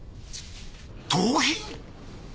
盗品？